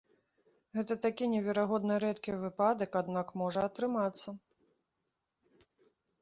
Гэта такі неверагодна рэдкі выпадак, аднак, можа атрымацца.